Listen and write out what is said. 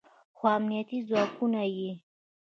خو امنیتي ځواکونه یې